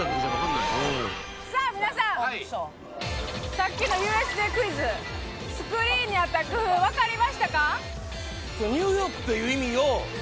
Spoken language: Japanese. さっきのＵＳＪクイズスクリーンにあった工夫わかりましたか？